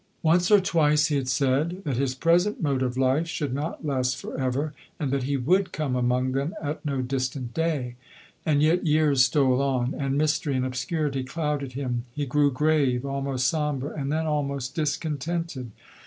Once or twice he had said, that his present mode of life should not last for ever, and that he would come among them at no distant day. And yet years stole on, and mystery and obscurity clouded him. He grew grave, almost sombre, and then almost discontented.